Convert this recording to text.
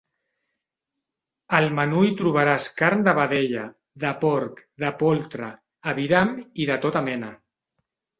Al menú hi trobaràs carn de vedella, de porc, de poltre, aviram i de tota mena.